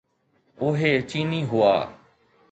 اهي چيني هئا.